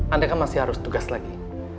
anda kan masih harus tugas lagi